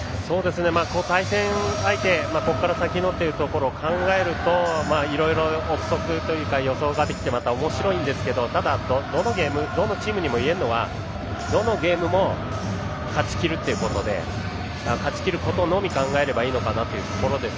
対戦相手ここから先のということを考えると、いろいろ臆測、予想ができておもしろいんですけどただ、どのチームにも言えるのはどのゲームも勝ちきるということで勝ちきることのみ考えればいいのかなというところです。